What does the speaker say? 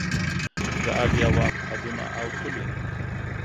د عالیه واک حدونه او پولې